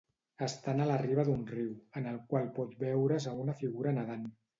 Estan a la riba d'un riu, en el qual pot veure's a una figura nedant.